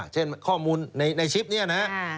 เช่นข้อมูลในชิปนี้นะครับ